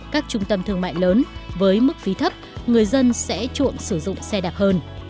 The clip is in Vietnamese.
các trung tâm thương mại lớn với mức phí thấp người dân sẽ chuộng sử dụng xe đạp hơn